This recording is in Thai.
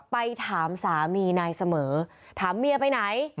ไปถามสามีนายเสมอถามเมียไปไหน